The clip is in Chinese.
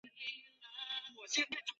逃不过这样的命运